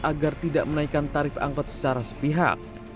agar tidak menaikan tarif angkut secara sepihak